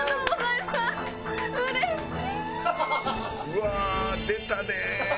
うわー！出たね！